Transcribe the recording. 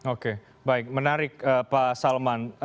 oke baik menarik pak salman